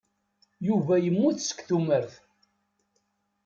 Yuba yemmut seg tumert.